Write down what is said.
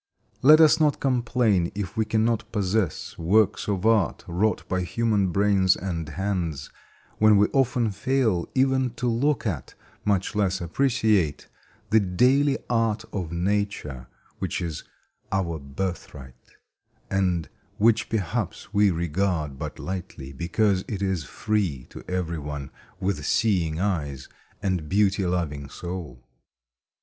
Let us not complain if we cannot possess works of art wrought by human brains and hands, when we often fail even to look at, much less appreciate, the daily art of Nature which is our birthright, and which perhaps we regard but lightly, because it is free to everyone with seeing eyes and beauty loving soul.